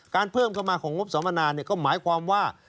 เพิ่มเข้ามาของงบสัมมนาก็หมายความว่า